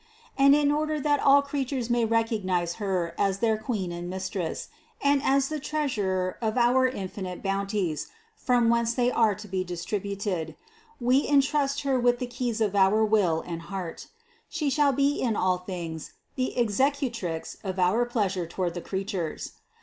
And in order that all creatures may recognize Her as their Queen and Mistress, and as the Treasurer of our infinite bounties, from whence they are to be distributed, We entrust Her with the keys of our will and heart; She shall be in all things the Executrix of our pleasure to ward the creatures.